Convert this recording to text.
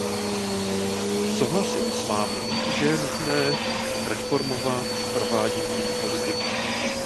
Souhlasím s vámi, že je nutné reformovat provádění politik.